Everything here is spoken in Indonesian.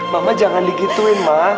mama jangan di gituin ma